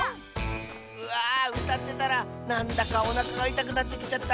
「うわうたってたらなんだかおなかがいたくなってきちゃった。